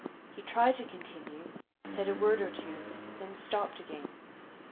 He tried to continue said a word or two then stopped again.